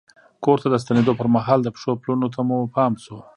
کور ته د ستنېدو پر مهال د پښو پلونو ته مو پام شو.